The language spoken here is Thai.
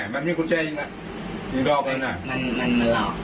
มันมีกุญแจยิงละยิงรอบเลยนะ